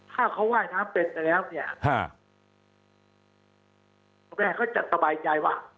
ถ้าเขาว่ายทางตัวเนียวแล้วจะสบายใจว่า